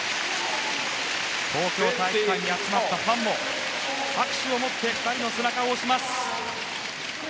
東京体育館に集まったファンも拍手でもって２人の背中を押します。